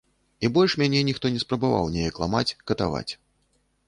І больш мяне ніхто не спрабаваў неяк ламаць, катаваць.